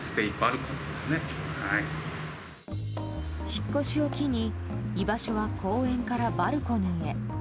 引っ越しを機に居場所は公園からバルコニーへ。